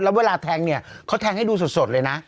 แล้วเวลาแทงเนี่ยเขาแทงให้ดูสดเลยนะ